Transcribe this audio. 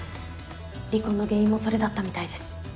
離婚の原因もそれだったみたいです